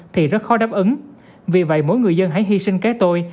thì rất khó đáp ứng vì vậy mỗi người dân hãy hy sinh kế tôi